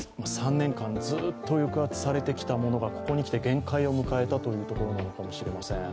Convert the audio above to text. ３年間ずっと抑圧されていたものがここにきて限界を迎えたというところなのかもしれません。